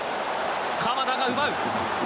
鎌田が奪う。